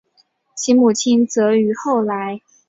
其母亲则于后来和一名商人结婚。